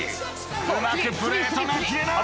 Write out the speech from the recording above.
［うまくプレートが切れない。